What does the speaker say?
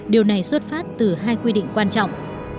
điều này xuất phát từ hai quy định quan trọng